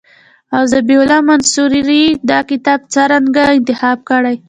او ذبیح الله منصوري دا کتاب څرنګه انتخاب کړی.